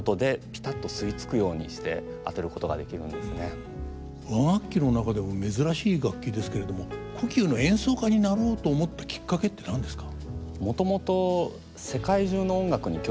なので和楽器の中でも珍しい楽器ですけれども胡弓の演奏家になろうと思ったきっかけって何ですか？